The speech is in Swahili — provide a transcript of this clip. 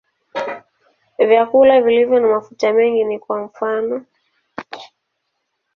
Vyakula vilivyo na mafuta mengi ni kwa mfano.